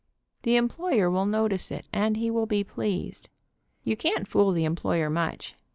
The employer will notice it, and he will be pleased. You can't fool the employer much.